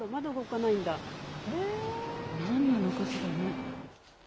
なんなのかしらね。